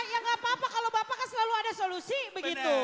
ya nggak apa apa kalau bapak kan selalu ada solusi begitu